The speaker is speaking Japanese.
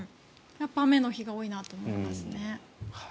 やっぱり雨の日が多いなと思いますね。